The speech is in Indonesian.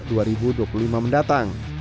dua ribu dua puluh lima mendatang